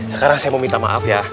sekarang saya mau minta maaf ya